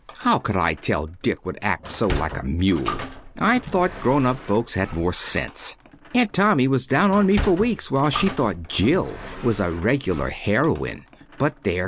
How could I tell Dick would act so like a mule? I thought grown up folks had more sense. Aunt Tommy was down on me for weeks, while she thought Jill a regular heroine. But there!